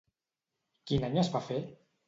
Quin any es va fer?